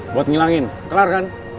buat ngilangin kelar kan